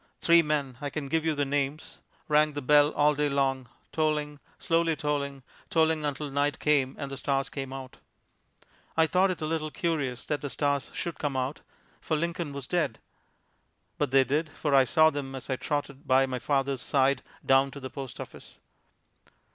Three men I can give you their names rang the bell all day long, tolling, slowly tolling, tolling until night came and the stars came out. I thought it a little curious that the stars should come out, for Lincoln was dead; but they did, for I saw them as I trotted by my father's side down to the post office.